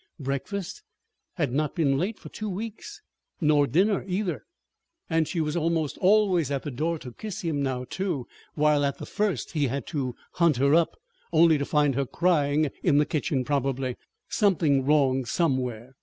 Breakfast had not been late for two weeks, nor dinner, either. And she was almost always at the door to kiss him now, too, while at the first he had to hunt her up, only to find her crying in the kitchen, probably something wrong somewhere.